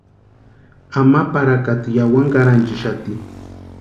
Ama parakata yáwani karhanchixati.